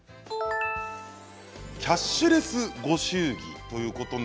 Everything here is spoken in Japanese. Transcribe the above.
キャッシュレスご祝儀です。